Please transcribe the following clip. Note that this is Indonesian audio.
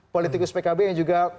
politikus pkb yang juga